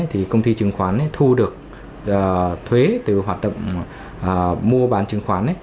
thì công ty chứng khoán thu được thuế từ hoạt động mua bán chứng khoán